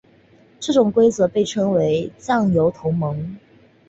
这种规则被称为酱油同盟。